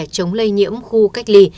chống lây nhiễm khu cách ly